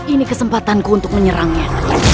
ini kesempatanku untuk menyerangnya